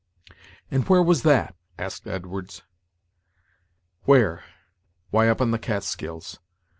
"And where was that?" asked Edwards. "Where! why, up on the Catskills.